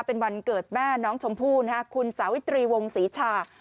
เป็นวันเกิดแม่น้องชมพู่คุณสาวิตรีวงศรีชา